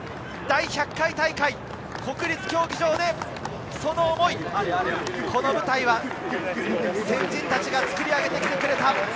第１００回大会、国立競技場で、その思い、この舞台は先人たちが作り上げてきてくれた。